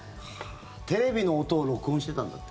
テレビの音を録音してたんだって。